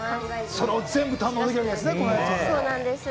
それを全部堪能できるんですね。